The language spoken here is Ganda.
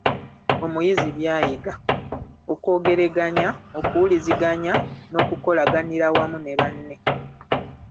Omuyizi by'ayiga: okwogeraganya, okuwuliziganya n’okukolaganira awamu ne banne.